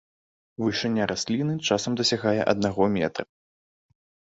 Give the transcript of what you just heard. Вышыня расліны часам дасягае аднаго метра.